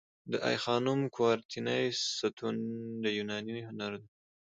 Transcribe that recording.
د آی خانم کورینتی ستونې د یوناني هنر دي